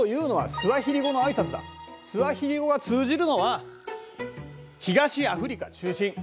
スワヒリ語が通じるのは東アフリカ中心！